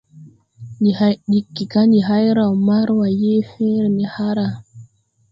Ndi hãy diggi ga ndi hay raw Marua yee fẽẽre ne hããra.